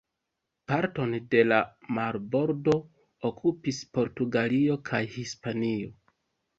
Parton de la marbordo okupis Portugalio kaj Hispanio.